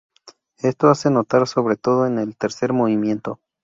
Esto se hace notar sobre todo en el tercer movimiento.